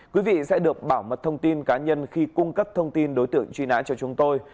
quý vị sẽ được bảo mật thông tin cá nhân khi cung cấp thông tin đối tượng truy nã cho chúng tôi